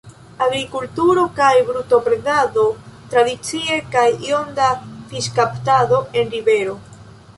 Agrikulturo kaj brutobredado tradicie, kaj iom da fiŝkaptado en rivero.